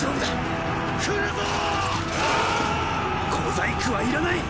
小細工はいらない！